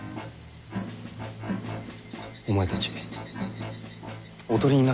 お前たちおとりになる気か？